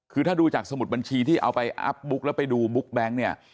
คือถ้าดูจากสมุดบัญชีที่เอาไปอัพบุ๊กแล้วไปดูบุ๊กแบงค์เนี่ย